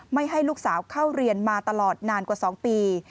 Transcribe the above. ให้ลูกสาวเข้าเรียนมาตลอดนานกว่า๒ปี